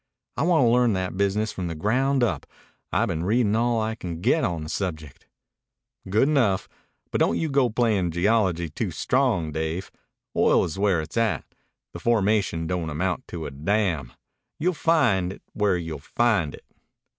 "I want to learn that business from the ground up. I've been reading all I could get on the subject." "Good enough, but don't you go to playin' geology too strong, Dave. Oil is where it's at. The formation don't amount to a damn. You'll find it where you find it."